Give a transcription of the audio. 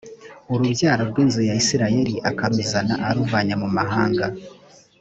urubyaro rw’inzu ya isirayeli akaruzana aruvanye mu mahanga